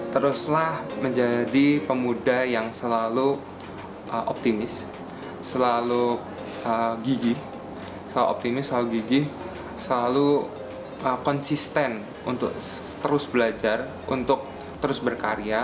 teruslah menjadi pemuda yang selalu optimis selalu gigih selalu konsisten untuk terus belajar untuk terus berkarya